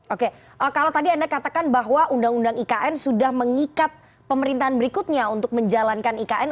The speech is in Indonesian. oke kalau tadi anda katakan bahwa undang undang ikn sudah mengikat pemerintahan berikutnya untuk menjalankan ikn